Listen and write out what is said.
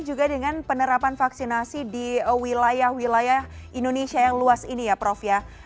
juga dengan penerapan vaksinasi di wilayah wilayah indonesia yang luas ini ya prof ya